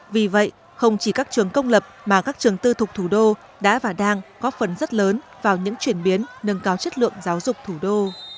vì vậy không chỉ các trường công lập mà các trường tư thuộc thủ đô đã và đang có phần rất lớn vào những chuyển biến nâng cao chất lượng giáo dục thủ đô